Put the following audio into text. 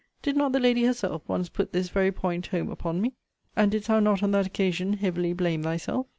Did not the lady herself once putt his very point home upon me? And didst thou not, on that occasion, heavily blame thyself?